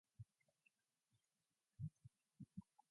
Future development of icebreakers was influenced by this bow form.